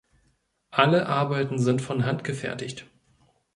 Alle Arbeiten sind von Hand gefertigt.